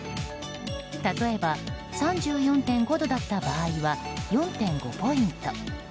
例えば、３４．５度だった場合は４．５ポイント。